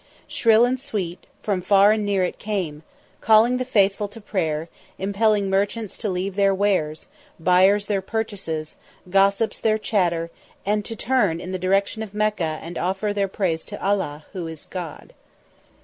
Shrill and sweet, from far and near it came, calling the faithful to prayer, impelling merchants to leave their wares, buyers their purchases, gossips their chatter, and to turn in the direction of Mecca and offer their praise to Allah, who is God.